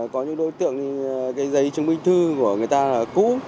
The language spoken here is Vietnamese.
có những đối tượng thì cái giấy chứng minh thư của người ta là